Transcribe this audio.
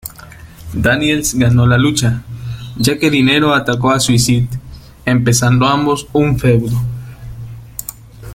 Daniels ganó la lucha, ya que Dinero atacó a Suicide, empezando ambos un feudo.